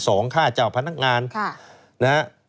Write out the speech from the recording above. สองฆ่าเจ้าพนักงาน